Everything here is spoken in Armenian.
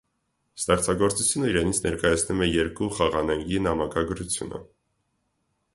Ստեղծագործությունը իրենից ներկայացնում է երկու խաղանենգի նամակագրությունը։